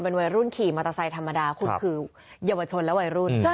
วัยรุ่นขี่มอเตอร์ไซค์ธรรมดาคุณคือเยาวชนและวัยรุ่น